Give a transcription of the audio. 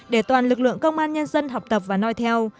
để toàn lực lượng công an nhân dân học tập và nói theo